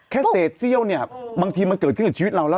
เศษเซี่ยวเนี่ยบางทีมันเกิดขึ้นกับชีวิตเราแล้ว